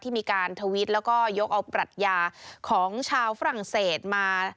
มีการทวิตแล้วก็ยกเอาปรัชญาของชาวฝรั่งเศสมา